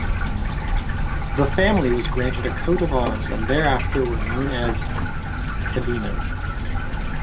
The family was granted a coat of arms, and thereafter were known as "Cadenas".